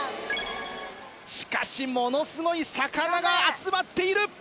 しかしものすごい魚が集まっている。